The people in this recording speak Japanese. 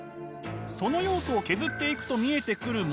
その要素を削っていくと見えてくるもの